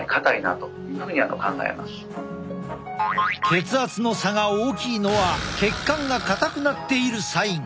血圧の差が大きいのは血管が硬くなっているサイン。